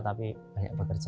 tapi banyak bekerja